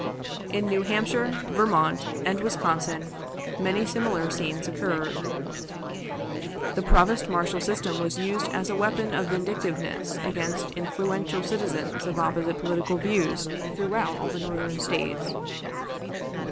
In New Hampshire, Vermont, and Wisconsin many similar scenes occurred. The provost marshal system was used as a weapon of vindictiveness against influential citizens of opposite political views throughout all the Northern States.